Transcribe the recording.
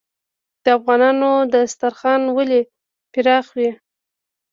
د افغانانو دسترخان ولې پراخ وي؟